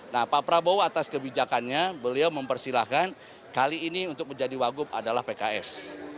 nah pak prabowo atas kebijakannya beliau mempersilahkan kali ini untuk menjadi wagub adalah pks